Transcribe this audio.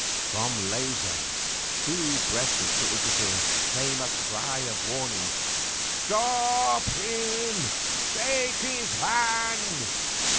From Leysin, too breathless to interfere, came a cry of warning. 'Stop him! Take his hand!